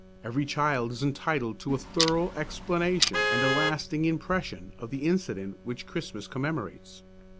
Every child is entitled to a thorough explanation and a lasting impression of the incident which Christmas commemorates.